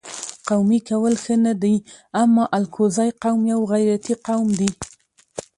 قومي کول ښه نه دي اما الکوزی قوم یو غیرتي قوم دي